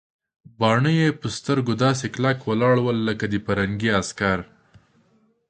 باڼه یې پر سترګو داسې کلک ولاړ ول لکه د پرنګي عسکر.